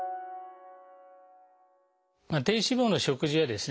低脂肪の食事はですね